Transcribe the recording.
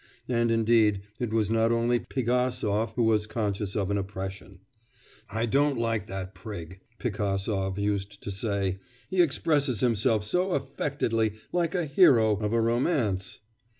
And indeed it was not only Pigasov who was conscious of an oppression. 'I don't like that prig,' Pigasov used to say, 'he expresses himself so affectedly like a hero of a romance.